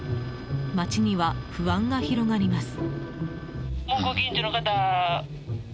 街には不安が広がります。